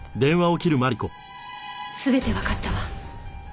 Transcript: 全てわかったわ。